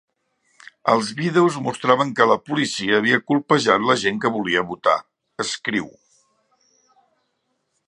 Els vídeos mostraven que la policia havia colpejat la gent que volia votar, escriu.